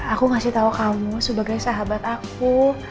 aku ngasih tahu kamu sebagai sahabat aku